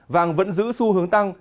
vàng vẫn giữ xu hướng tăng